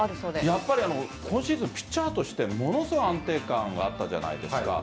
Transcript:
やっぱり今シーズンピッチャーとして、ものすごい安定感があったじゃないですか。